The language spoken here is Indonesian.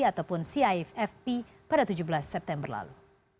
ataupun ciffp pada tujuh belas september lalu